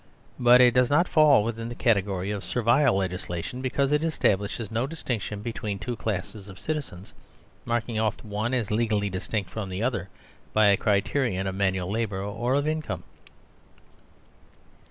But it does not fall within the category of servile legislation, because it establishes no distinction between two classes of citi zens, marking off the one as legally distinct from the other by a criterion of manual labour or of income.